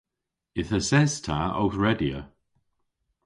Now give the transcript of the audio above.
Yth eses ta ow redya.